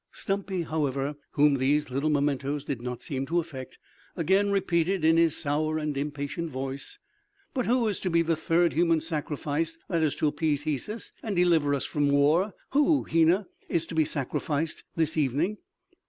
Stumpy, however, whom these mementoes did not seem to affect, again repeated in his sour and impatient voice: "But who is to be the third human sacrifice that is to appease Hesus and deliver us from war? Who, Hena, is to be sacrificed this evening?"